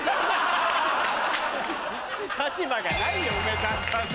立場がないよ梅沢さんの。